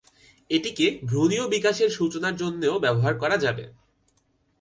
এটিকে ভ্রূণীয় বিকাশ এর সূচনার জন্যেও ব্যবহার করা যাবে।